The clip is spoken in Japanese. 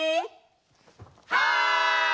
はい！